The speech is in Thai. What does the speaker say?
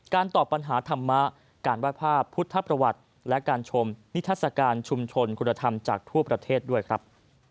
ตอบปัญหาธรรมะการวาดภาพพุทธประวัติและการชมนิทัศกาลชุมชนคุณธรรมจากทั่วประเทศด้วยครับ